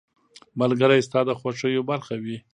• ملګری ستا د خوښیو برخه وي.